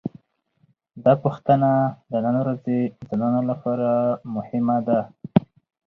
دا پوښتنه د نن ورځې انسانانو لپاره مهمه ده.